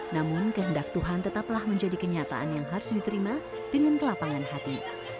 namun kehendak tuhan tetaplah menjadi kenyataan yang harus diterima dengan kelapangan hati